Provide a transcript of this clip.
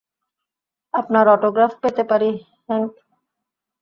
আপনার অটোগ্রাফ পেতে পারি, হ্যাংক?